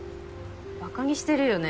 馬鹿にしてるよね。